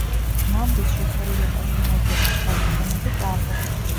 მამლის შეფერილობაში ნაჯერი მწვანე ტონები ჭარბობს.